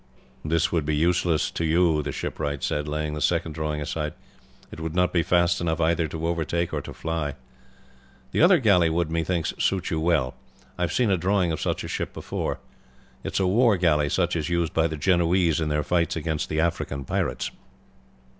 "This would be useless to you," the shipwright said, laying the second drawing aside. "It would not be fast enough either to overtake or to fly. The other galley would, methinks, suit you well. I have seen a drawing of such a ship before. It is a war galley such as is used by the Genoese in their fights against the African pirates.